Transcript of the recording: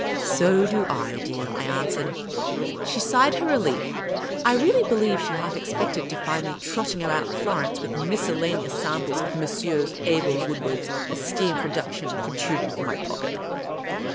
" So do I, dear," I answered. She sighed her relief. I really believ^e she half expected to find me trotting about Florence with miscellaneous sam ples of Messrs. Abel Woodward's esteemed productions pro truding from my pocket.